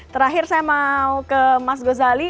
terakhir saya mau ke mas gozali